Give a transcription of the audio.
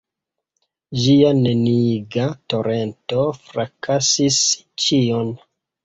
Ĝia neniiga torento frakasis ĉion.